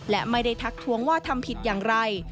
และไม่ได้ทักทวงว่าทำผิดอย่างไร